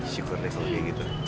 syukur deh kalau kayak gitu